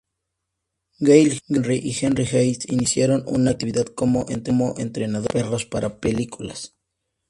Gale Henry y Henry East, iniciaron una actividad como entrenadores de perros para películas.